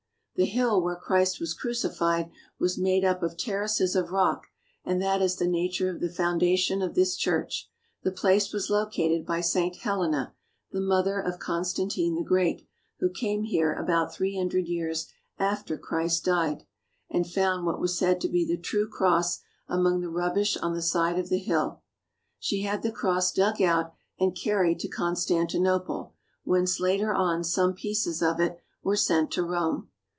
The hill where Christ was crucified was made up of terraces of rock, and that is the nature of the foundation of this church. The place was located by St. Helena, the mother of Constantine the Great, who came here about three hundred years after Christ died, and found what was said to be the true cross among the rubbish on the side of the hill. She had the cross dug out and carried to Constantinople, whence later on some pieces of it were sent to Rome.